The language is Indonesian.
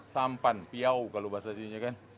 sampan piau kalau bahasa sininya kan